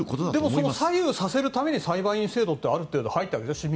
でも左右させるために裁判員制度ってある程度あると。